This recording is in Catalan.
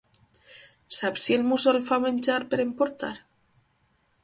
Saps si el Mussol fa menjar per emportar?